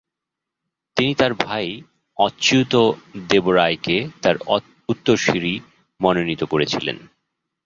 তিনি তার ভাই অচ্যুত দেবরায়কে তাঁর উত্তরসূরি মনোনীত করেছিলেন।